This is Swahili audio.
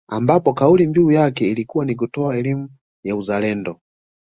Ambapo kauli mbiu yake ilikuwa ni kutoa elimu ya uzalendo